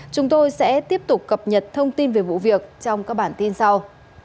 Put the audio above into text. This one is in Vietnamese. chúng tôi sẽ tiếp tục cập nhật thông tin về vụ việc trong các bản tin sau